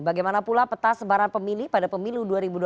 bagaimana pula peta sebaran pemilih pada pemilu dua ribu dua puluh